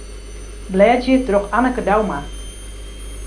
Blêdzje troch Anneke Douma.